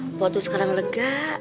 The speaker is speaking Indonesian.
emak tuh sekarang lega